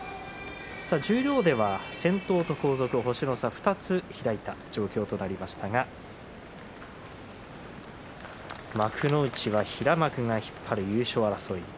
十両では先頭と後続星の差２つ開いた状況となりましたが幕内は平幕が引っ張る優勝争い。